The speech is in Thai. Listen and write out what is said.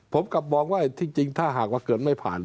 ผมกลับมองว่าที่จริงถ้าหากว่าเกิดไม่ผ่าน